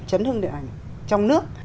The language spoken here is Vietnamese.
chấn hương điện ảnh trong nước